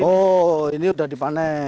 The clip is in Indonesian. oh ini udah dipanen